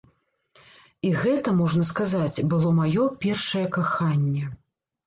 І гэта, можна сказаць, было маё першае каханне.